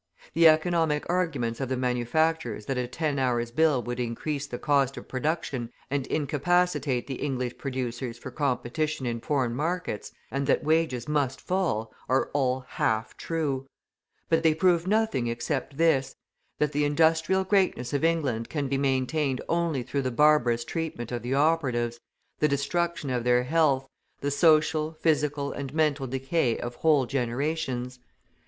The economic arguments of the manufacturers that a Ten Hours' Bill would increase the cost of production and incapacitate the English producers for competition in foreign markets, and that wages must fall, are all half true; but they prove nothing except this, that the industrial greatness of England can be maintained only through the barbarous treatment of the operatives, the destruction of their health, the social, physical, and mental decay of whole generations.